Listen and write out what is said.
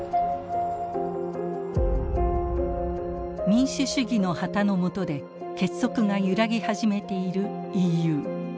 民主主義の旗の下で結束が揺らぎ始めているＥＵ。